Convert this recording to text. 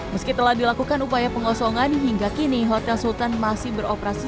meski telah dilakukan upaya pengosongan hingga kini hotel sultan masih beroperasi